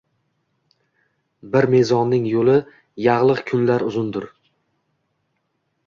Bir mezonning yo’li yanglig’ kunlar uzundir